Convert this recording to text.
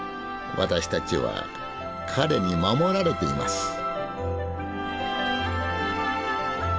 私たちは彼に守られています」。